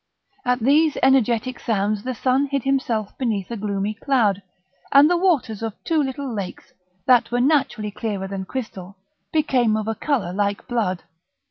At these energetic sounds the sun hid himself beneath a gloomy cloud, and the waters of two little lakes, that were naturally clearer than crystal, became of a colour like blood.